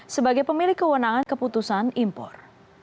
sebagai pemilik kewenangan keputusan impor